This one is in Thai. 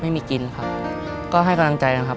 ไม่มีกินครับก็ให้กำลังใจกันครับ